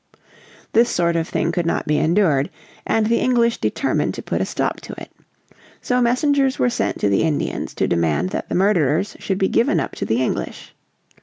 This sort of thing could not be endured, and the English determined to put a stop to it. So messengers were sent to the Indians to demand that the murderers should be given up to the English.